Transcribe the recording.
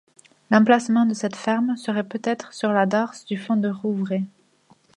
L'emplacement de cette ferme serait peut-être sur la darse du fond de Rouvray.